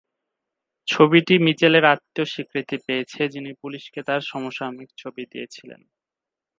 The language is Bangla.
ছবিটি মিচেলের আত্মীয় স্বীকৃতি পেয়েছিল, যিনি পুলিশকে তার সমসাময়িক ছবি দিয়েছিলেন।